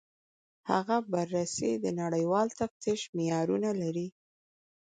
هغه بررسي د نړیوال تفتیش معیارونه لري.